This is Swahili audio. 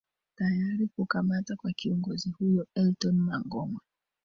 tayari kukamata kwa kiongozi huyo elton mangoma